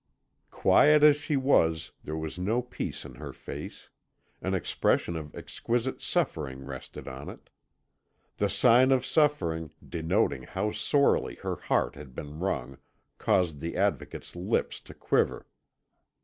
Quiet as she was, there was no peace in her face; an expression of exquisite suffering rested on it. The sign of suffering, denoting how sorely her heart had been wrung, caused the Advocate's lips to quiver.